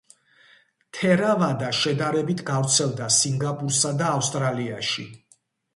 თერავადა შედარებით გავრცელდა სინგაპურსა და ავსტრალიაში.